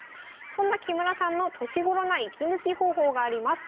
そんな木村さんの年頃な息抜き方法があります。